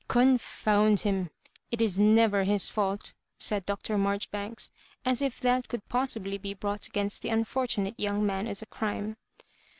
" Confound hun 1 it is never his fault," said Dr. Marjoribanks, as if that could possibly be brought against the unfortunate young man as a crime.